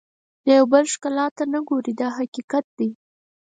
د یو بل ښکلا ته نه ګوري دا حقیقت دی.